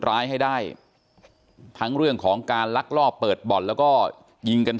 ร้ายให้ได้ทั้งเรื่องของการลักลอบเปิดบ่อนแล้วก็ยิงกัน